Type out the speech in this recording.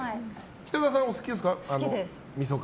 北川さん、お好きですか？